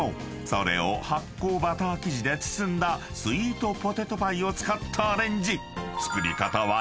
それを発酵バター生地で包んだスイートポテトパイを使ったアレンジ］